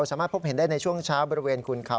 สามารถพบเห็นได้ในช่วงเช้าบริเวณขุนเขา